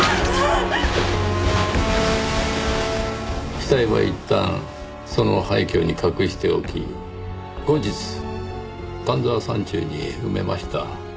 死体はいったんその廃虚に隠しておき後日丹沢山中に埋めました。